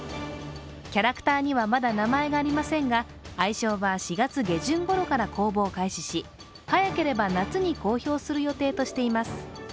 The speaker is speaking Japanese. キャラクターにはまだ名前がありませんが、愛称は４月下旬ごろから公募を開始し早ければ夏に公表する予定としています。